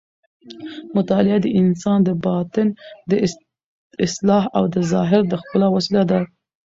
مطالعه د انسان د باطن د اصلاح او د ظاهر د ښکلا وسیله ده.